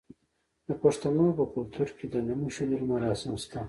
د پښتنو په کلتور کې د نوم ایښودلو مراسم شته.